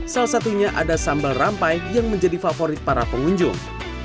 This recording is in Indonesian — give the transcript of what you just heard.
salah satunya ada sambal rampai yang menjadi favorit para pengunjung